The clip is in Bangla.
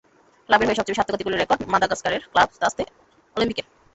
ক্লাবের হয়ে সবচেয়ে বেশি আত্মঘাতী গোলের রেকর্ড মাদাগাস্কারের ক্লাব স্তাদে অলিম্পিকের।